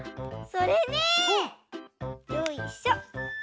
それねよいしょ。